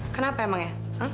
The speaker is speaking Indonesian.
kenapa emang ya